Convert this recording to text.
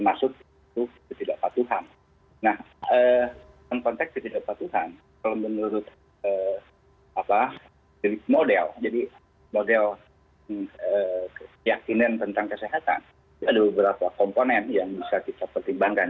maksud itu ketidakpatuhan nah konteks ketidakpatuhan kalau menurut model jadi model keyakinan tentang kesehatan ada beberapa komponen yang bisa kita pertimbangkan